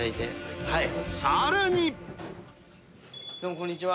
こんにちは。